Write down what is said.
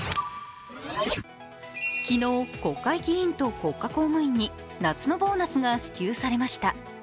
昨日、国会議員と国家公務員に夏のボーナスが支給されました。